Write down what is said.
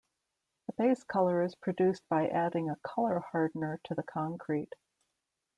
The base color is produced by adding a color hardener to the concrete.